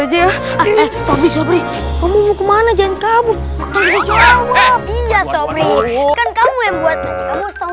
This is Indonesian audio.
aja ya ah eh sobri kamu mau kemana jengka buka jawab iya sobri kan kamu yang buat kamu